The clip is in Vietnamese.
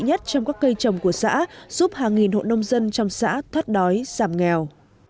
nhất trong các cây trồng của xã giúp hàng nghìn hộ nông dân trong xã thoát đói giảm nghèo